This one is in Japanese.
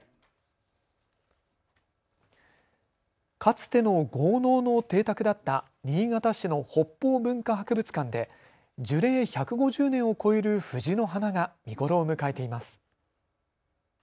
かつての豪農の邸宅だった新潟市の北方文化博物館で樹齢１５０年を超える藤の花が見頃を迎えています。